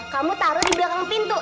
kamu taruh di belakang pintu